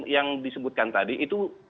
yang disebutkan tadi itu